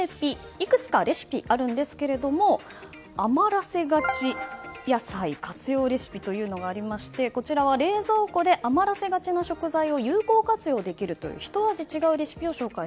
いくつかレシピがありますがあまらせがち野菜活用レシピというのがありましてこちらは冷蔵庫であまらせがちな野菜を有効活用できるというひと味違うレシピです。